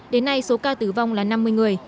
đến nay số ca tử vong là năm mươi người